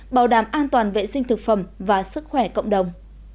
bảo đảm an toàn vệ sinh thực phẩm và sức khỏe cộng đồng